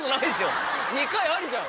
２回ありじゃん。